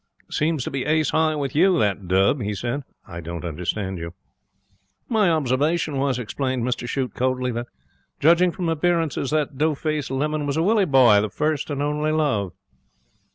'Seems to be ace high with you, that dub,' he said. 'I don't understand you.' 'My observation was,' explained Mr Shute, coldly, 'that, judging from appearances, that dough faced lemon was Willie boy, the first and only love.'